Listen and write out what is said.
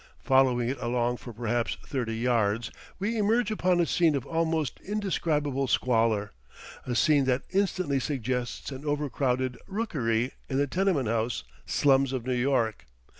Following it along for perhaps thirty yards, we emerge upon a scene of almost indescribable squalor a scene that instantly suggests an overcrowded "rookery" in the tenement house slums of New York.